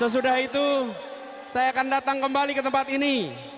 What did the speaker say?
saya akan datang kembali ke tempat ini